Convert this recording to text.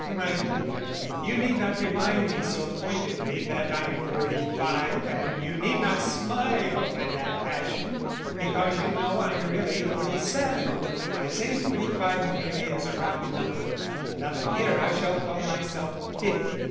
"My dear, you need not remind me so pointedly that I'm forty five and you need not smile in that fashion because you know that I'm really forty seven. I say forty five merely as a round number; in another year I shall call myself fifty.